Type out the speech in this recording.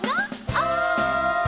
「おい！」